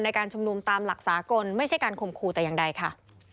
ในการชุมนุมตามหลักสากลไม่ใช่การข่มขู่แต่อย่างใดค่ะ